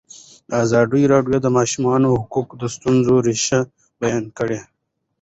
ازادي راډیو د د ماشومانو حقونه د ستونزو رېښه بیان کړې.